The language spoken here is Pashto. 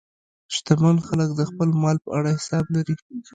شتمن خلک د خپل مال په اړه حساب لري.